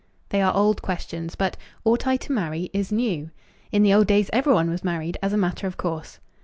They are old questions, but "Ought I to marry?" is new. In the old days everyone was married as a matter of course.